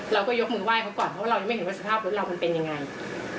เราก็ยกมือไห้เขาก่อนเพราะเรายังไม่เห็นว่าสภาพรถเรามันเป็นยังไง